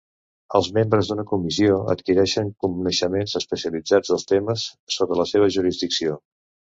Els membres d'una comissió adquireixen coneixements especialitzats dels temes sota la seva jurisdicció.